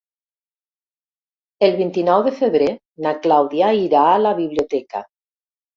El vint-i-nou de febrer na Clàudia irà a la biblioteca.